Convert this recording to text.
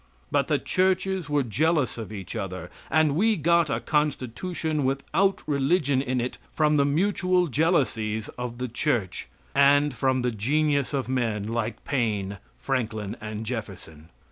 But the churches were jealous of each other, and we got a constitution without religion in it from the mutual jealousies of the church, and from the genius of men like Paine, Franklin and Jefferson.